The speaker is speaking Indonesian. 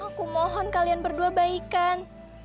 aku mohon kalian berdua baikan